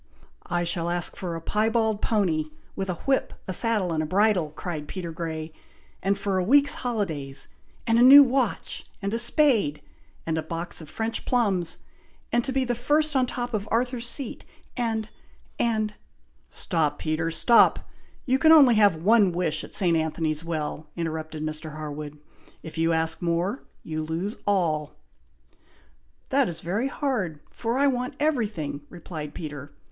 "I shall ask for a piebald pony, with a whip, a saddle, and a bridle!" cried Peter Grey; "and for a week's holidays, and a new watch, and a spade, and a box of French plums, and to be first at the top of Arthur's Seat, and and " "Stop, Peter! stop! you can only have one wish at St. Anthony's Well," interrupted Mr. Harwood. "If you ask more, you lose all." "That is very hard, for I want everything," replied Peter.